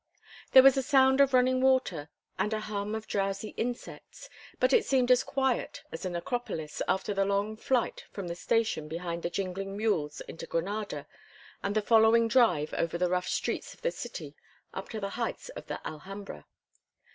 There was a sound of running water and the hum of drowsy insects, but it seemed as quiet as a necropolis after the long flight from the station behind the jingling mules into Granada, and the following drive over the rough streets of the city up to the heights of the Alhambra.